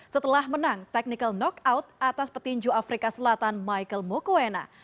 setelah menang technical knockout atas petinju afrika selatan michael mokoena